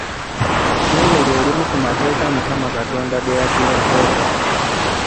N'eryo limu ku mateeka mukama katonda ge yatulekera.